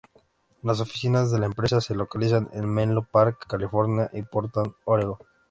Las oficinas de la empresa se localizan en Menlo Park, California y Portland, Oregon.